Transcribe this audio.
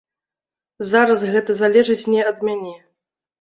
Зараз гэта залежыць не ад мяне.